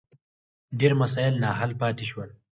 ډېر مسایل نا حل پاتې شول.